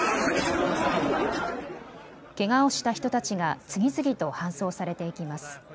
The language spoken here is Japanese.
けがをした人たちが次々と搬送されていきます。